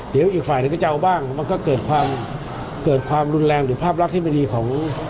เดี๋ยวอีกฝ่ายหนึ่งก็จะเอาบ้างมันก็เกิดความเกิดความรุนแรงหรือภาพลักษณ์ที่ไม่ดีของ